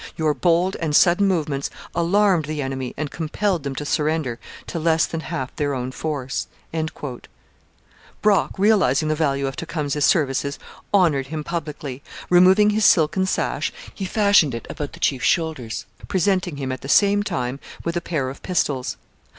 Your bold and sudden movements alarmed the enemy and compelled them to surrender to less than half their own force. Brock, realizing the value of Tecumseh's services, honoured him publicly. Removing his silken sash, he fastened it about the chief's shoulders, presenting him at the same time with a pair of pistols.